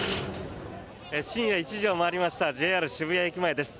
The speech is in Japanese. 深夜１時を回りましたＪＲ渋谷駅前です。